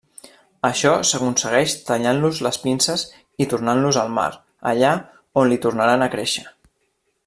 Això s'aconsegueix tallant-los les pinces i tornant-los al mar, allà on li tornaran a créixer.